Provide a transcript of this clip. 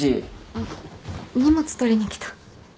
あっ荷物取りに来た。